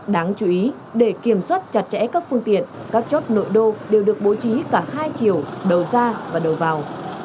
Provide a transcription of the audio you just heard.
đáng chú ý để kiểm soát chặt chẽ các phương tiện các chốt nội đô đều được bố trí cả hai chiều đầu ra và đầu vào